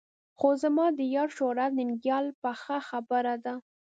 خو زما د یار شهرت ننګیال پخه خبره ده.